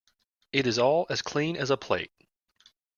It is all as clean as a plate.